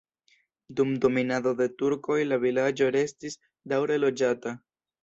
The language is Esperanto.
Dum dominado de turkoj la vilaĝo restis daŭre loĝata.